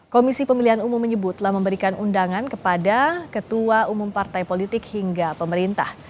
komisi pemilihan umum menyebut telah memberikan undangan kepada ketua umum partai politik hingga pemerintah